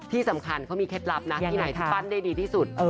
ที่สำคัญเขามีเคล็ดลับนะที่ไหนที่ปั้นได้ดีที่สุด